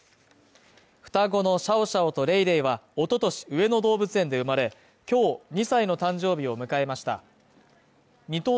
双子のパンダ、シャオシャオとレイレイは、おととし上野動物園で生まれ、今日２歳の誕生日を迎えました。